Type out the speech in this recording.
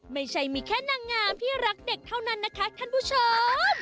ไม่ใช่มีแค่นางงามที่รักเด็กเท่านั้นนะคะท่านผู้ชม